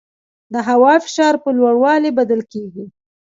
د هوا فشار په لوړوالي بدل کېږي.